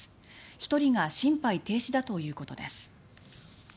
１人が心肺停止だということです。